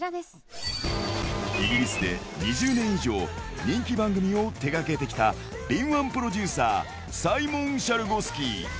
イギリスで２０年以上、人気番組を手がけてきた、敏腕プロデューサー、サイモン・シャルゴスキー。